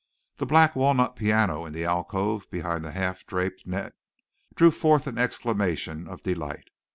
The black walnut piano in the alcove behind the half draped net drew forth an exclamation of delight.